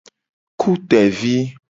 Ku tevi.